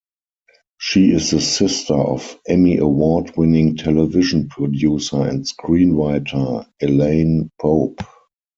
She is the sister of Emmy Award-winning television producer and screenwriter Elaine Pope.